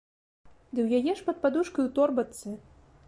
Ды ў яе ж пад падушкай у торбачцы.